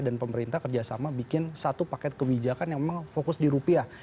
dan pemerintah kerjasama bikin satu paket kebijakan yang memang fokus di rupiah